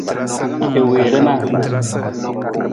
I wii rana.